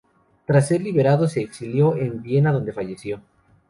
Tras ser liberado se exilió en Viena donde falleció.